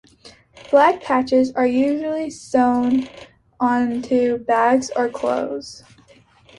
Flag patches are usually sewn onto bags or clothes.